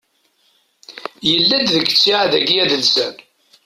Yella-d deg ttiɛad-agi adelsan.